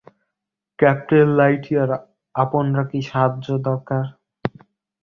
Captain Lightyear, আপনরা কি সাহায্য দরকার?